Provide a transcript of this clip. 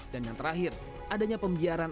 dan yang terakhir adanya pembiaran